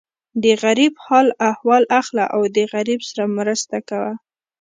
د غریب حال احوال اخله او د غریب سره مرسته کوه.